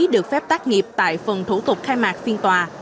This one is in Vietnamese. được phép tác nghiệp tại phần thủ tục khai mạc phiên tòa